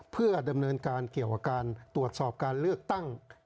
เพื่อดำเนินการเกี่ยวกับการตรวจสอบการเลือกตั้ง